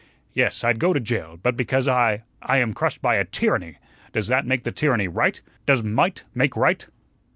"Yes, I'd go to jail; but because I I am crushed by a tyranny, does that make the tyranny right? Does might make right?"